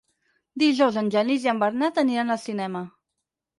Dijous en Genís i en Bernat aniran al cinema.